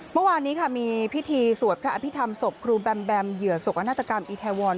เมื่อวานนี้ค่ะมีพิธีสวดพระอภิษฐรรมศพครูแบมแบมเหยื่อศกนาฏกรรมอีแทวร